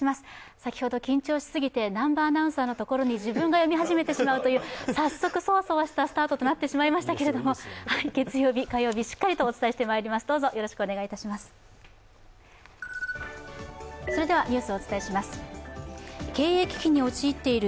先ほど、緊張しすぎて南波アナウンサーのところで自分が読み始めてしまうという早速そわそわしたスタートとなってしまいましたけれども、月曜日、火曜日、しっかりとお伝えしてまいりたいと思います。